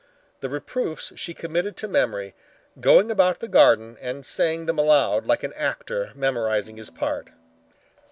The reproofs she committed to memory, going about the garden and saying them aloud like an actor memorizing his part.